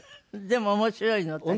でも面白いの私。